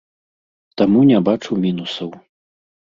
Таму не бачу мінусаў.